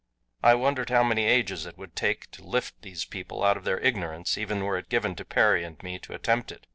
I wondered how many ages it would take to lift these people out of their ignorance even were it given to Perry and me to attempt it.